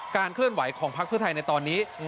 เคลื่อนไหวของพักเพื่อไทยในตอนนี้